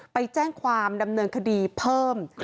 ไปแจ้งความดำเนินคดีเพิ่ม